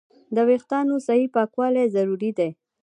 د وېښتیانو صحیح پاکوالی ضروري دی.